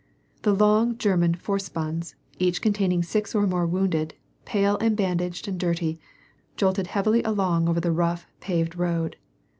The long German vorspanns, each containing six or more woTuided, pale and bandaged and dirty, jolted heavily along over the rough, paved road.